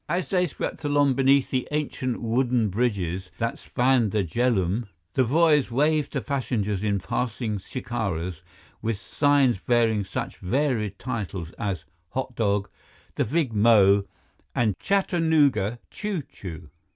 As they swept along beneath the ancient wooden bridges that spanned the Jhelum, the boys waved to passengers in passing shikaras with signs bearing such varied titles as Hot Dog, The Big Mo, and Chattanooga Choo Choo.